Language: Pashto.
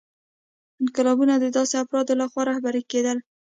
انقلابونه د داسې افرادو لخوا رهبري کېدل.